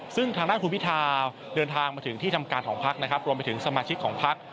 ซึ่งทางด้านคุณพิทาเดินทางมาถึงที่ทำการของพักนะครับรวมไปถึงสมาชิกของพัก